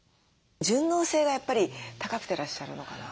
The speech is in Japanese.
順応性がやっぱり高くてらっしゃるのかな？